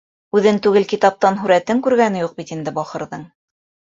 Үҙен түгел, китаптан һүрәтен күргәне юҡ бит инде бахырҙың.